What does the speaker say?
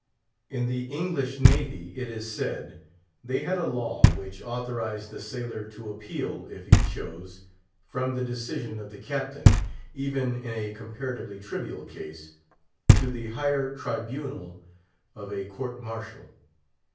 In the English Navy, it is said, they had a law which authorised the sailor to appeal, if he chose, from the decision of the Captain—even in a comparatively trivial case—to the higher tribunal of a court martial.